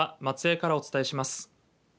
松江からお伝えします。